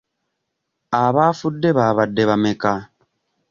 Abaafudde baabadde bameka?